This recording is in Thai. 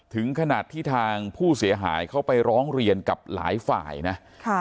ถึงขนาดที่ทางผู้เสียหายเขาไปร้องเรียนกับหลายฝ่ายนะ